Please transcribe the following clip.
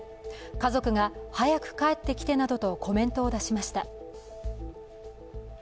家族が早く帰ってきてなどとコメントを出しました。